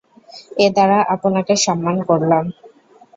এ দ্বারা আপনাকে সম্মান করলাম।